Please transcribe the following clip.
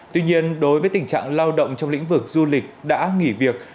tuy nhiên đối với tình trạng lao động trong lĩnh vực du lịch đã nghỉ việc